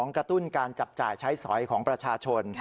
กระตุ้นการจับจ่ายใช้สอยของประชาชน